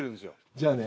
じゃあね。